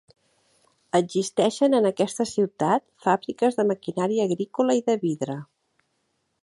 Existeixen en aquesta ciutat fàbriques de maquinària agrícola i de vidre.